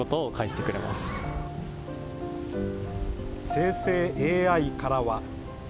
生成ＡＩからは。